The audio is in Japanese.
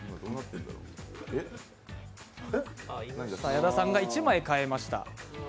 矢田さんが１枚代えました。